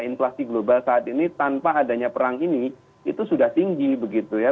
inflasi global saat ini tanpa adanya perang ini itu sudah tinggi begitu ya